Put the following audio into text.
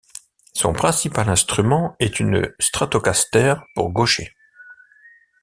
Son principal instrument est une Stratocaster pour gaucher.